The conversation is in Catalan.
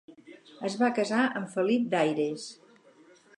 Es va casar amb Felip d'Aires.